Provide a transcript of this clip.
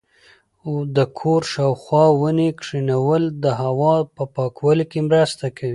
د کور شاوخوا ونې کښېنول د هوا په پاکوالي کې مرسته کوي.